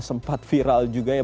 sempat viral juga ya